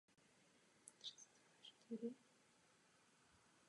Smyslem je vyzkoušení síly, odhodlání a důvěryhodnost demokratických zemí.